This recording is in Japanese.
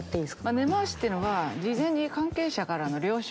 「根回し」っていうのは事前に関係者からの了承を。